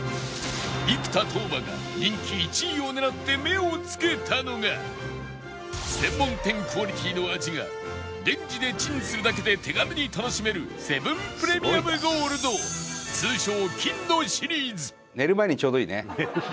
生田斗真が人気１位を狙って目をつけたのが専門店クオリティーの味がレンジでチンするだけで手軽に楽しめるセブンプレミアムゴールド寝る前に。